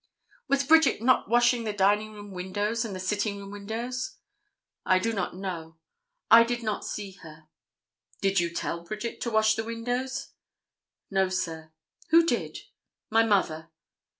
"Was Bridget not washing the dining room windows and the sitting room windows?" "I do not know. I did not see her." "Did you tell Bridget to wash the windows?" "No, sir." "Who did?" "My mother."